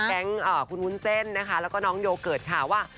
แก๊งคุณวุ้นเส้นนะคะแล้วก็น้องโยเกิร์ตค่ะว่า